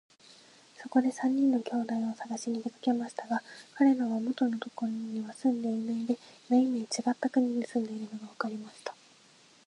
そこで三人の兄弟をさがしに出かけましたが、かれらは元のところには住んでいないで、めいめいちがった国にいるのがわかりました。